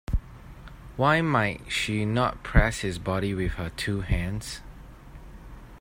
Why might she not press his body with her two hands.